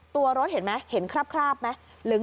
ตัวรถเห็นไหมเห็นคราบไหม